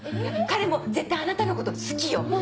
彼も絶対あなたのこと好きよ。